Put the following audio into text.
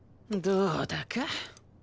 どうだか。